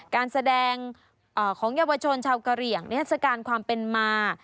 การแสดงของเยาวชนชาวกะเหลี่ยงนิทัศกาลความเป็นมา